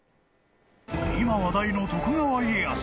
今話題の徳川家康。